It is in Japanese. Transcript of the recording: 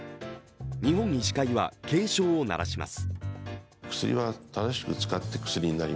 日本医師会は警鐘を鳴らします。